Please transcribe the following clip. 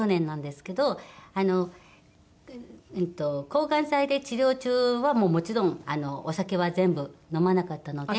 抗がん剤で治療中はもちろんお酒は全部飲まなかったので。